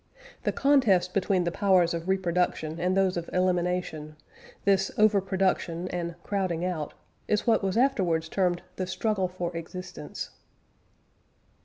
The contest between the powers of reproduction and those of elimination this "over production" and "crowding out" is what was afterwards termed the "struggle for existence."